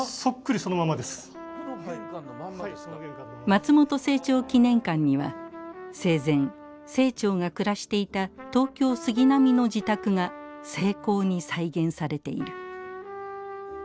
松本清張記念館には生前清張が暮らしていた東京・杉並の自宅が精巧に再現されている。